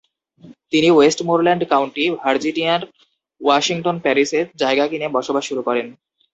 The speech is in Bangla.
তিনি ওয়েস্টমোরল্যান্ড কাউন্টি, ভার্জিনিয়ার ওয়াশিংটন প্যারিসে জায়গা কিনে বসবাস শুরু করেন।